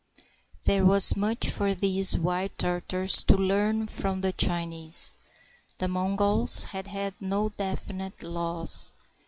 There was much for these wild Tartars to learn from the Chinese. The Mongols had had no definite laws.